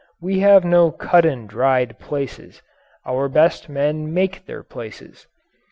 We have no cut and dried places our best men make their places.